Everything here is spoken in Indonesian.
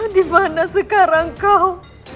dimana sekarang kau